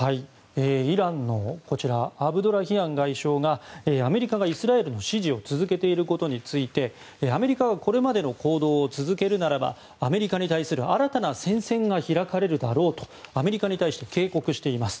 イランのアブドラヒアン外相がアメリカがイスラエルの支持を続けていることについてアメリカはこれまでの行動を続けるならばアメリカに対する新たな戦線が開かれるだろうとアメリカに対して警告しています。